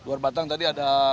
luar batang tadi ada